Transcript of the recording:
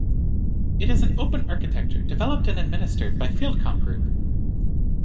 It is an open architecture, developed and administered by FieldComm Group.